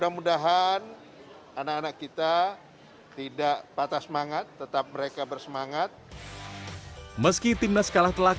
meski timnas kalah telak